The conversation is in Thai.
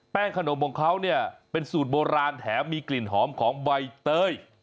ขนมของเขาเนี่ยเป็นสูตรโบราณแถมมีกลิ่นหอมของใบเตย